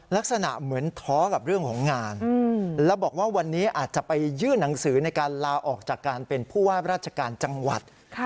ลักษณะเหมือนท้อกับเรื่องของงานแล้วบอกว่าวันนี้อาจจะไปยื่นหนังสือในการลาออกจากการเป็นผู้ว่าราชการจังหวัด